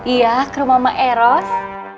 iya ke rumah mama eros